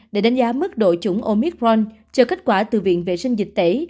để đánh giá mức đội chủng omicron cho kết quả từ viện vệ sinh dịch tẩy